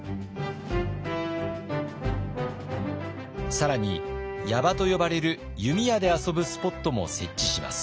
更に矢場と呼ばれる弓矢で遊ぶスポットも設置します。